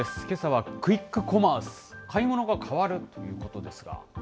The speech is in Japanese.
けさはクイックコマース買い物が変わる？ということですが。